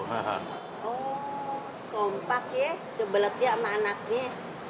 oh kompak ya kebeletnya sama anaknya